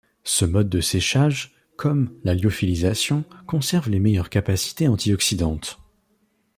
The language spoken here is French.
Ce mode de séchage, comme la lyophilisation, conserve les meilleures capacités anti-oxydantes.